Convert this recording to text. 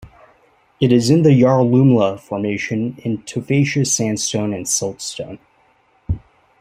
It is in the Yarralumla Formation in Tuffacious sandstone and siltstone.